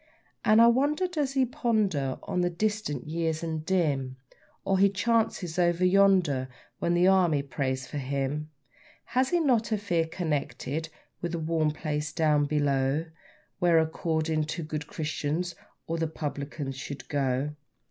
And I wonder does he ponder on the distant years and dim, Or his chances over yonder, when the Army prays for him? Has he not a fear connected with the warm place down below, Where, according to good Christians, all the publicans should go?